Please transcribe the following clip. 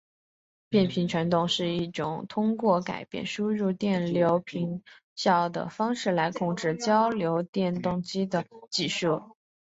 变频传动是一种通过改变输入电源频率的方式来控制交流电动机的技术。